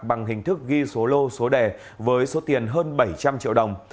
bằng hình thức ghi số lô số đề với số tiền hơn bảy trăm linh triệu đồng